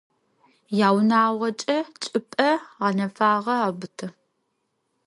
Yaunağoç'e çç'ıp'e ğenefağe aubıtı.